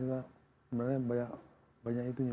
sebenarnya banyak itunya